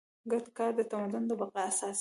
ګډ کار د تمدن د بقا اساس دی.